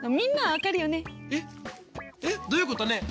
えっどういうことねえ。